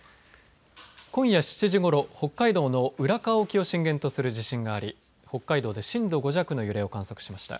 今夜７時ごろ北海道の浦河沖を震源とする地震があり北海道で震度５弱の揺れを観測しました。